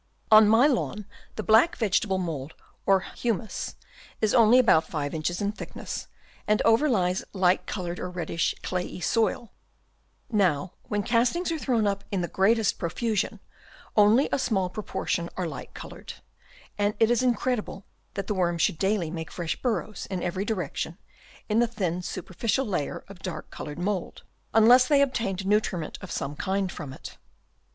On my lawn the black vegetable mould or humus is only about 5 inches in thickness, and overlies light coloured or reddish clayey soil : now when castings are thrown up in the greatest profusion, only a small proportion are light coloured, and it is incredible that the worms should daily make fresh burrows in every direction in the thin superficial layer of dark coloured mould, unless they obtained nutriment of some kind from it.